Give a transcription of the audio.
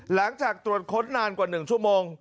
หลังจากตรวจค้นนานกว่า๑ชั่วโมง